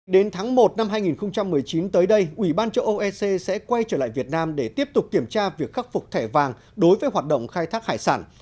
đến tháng một năm hai nghìn một mươi chín tới đây ủy ban châu âu ec sẽ quay trở lại việt nam để tiếp tục kiểm tra việc khắc phục thẻ vàng đối với hoạt động khai thác hải sản